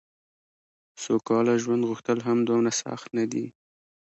سوکاله ژوند غوښتل هم دومره سخت نه دي.